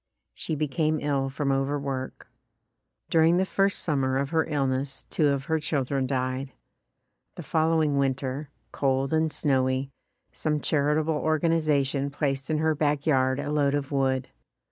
She became ill from overwork. During the first summer of her illness two of her children died. The following winter, cold and snowy, some charitable organization placed in her back yard a load of wood.